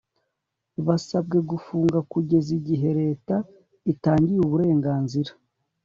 basabwe gufunga kugeza igihe leta itangiye uburenganzira